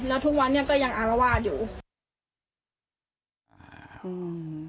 แล้วทุกวันนี้ก็ยังอาวาสอยู่